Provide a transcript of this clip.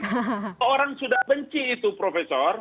kalau orang sudah benci itu profesor